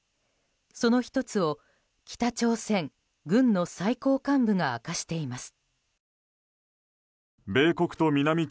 その１つを北朝鮮軍の最高幹部が明かしています。